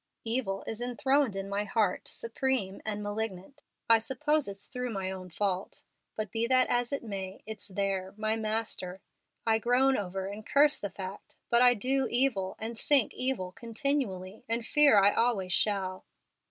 Evil is throned in my heart supreme and malignant. I suppose it's through my own fault, but be that as it may, it's there, my master. I groan over and curse the fact, but I do evil and think evil continually, and I fear I always shall.